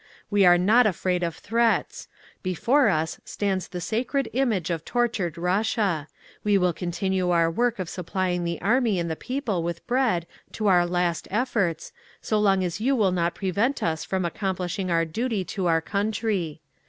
We are not afraid of threats; before us stands the sacred image of tortured Russia. We will continue our work of supplying the Army and the people with bread to our last efforts, so long as you will not prevent us from accomplishing our duty to our country.